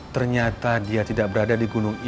ternyata dia tidak berada di gunung ijen untuk mencari uang